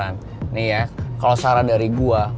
nih ya kalo saran dari gue